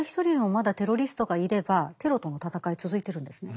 まだテロリストがいればテロとの戦い続いてるんですね。